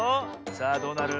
さあどうなる？